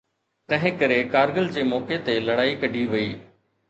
تنهن ڪري ڪارگل جي موقعي تي لڙائي ڪڍي وئي.